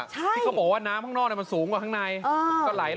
ที่เขาบอกว่าน้ำข้างนอกมันสูงกว่าข้างใน